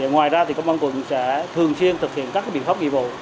ngoài ra công an quận sẽ thường xuyên thực hiện các biện pháp nghi vụ